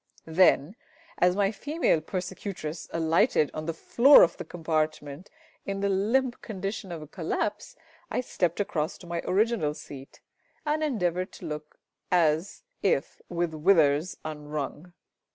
Then, as my female persecutress alighted on the floor of the compartment in the limp condition of a collapse, I stepped across to my original seat, and endeavoured to look as if with withers unwrung.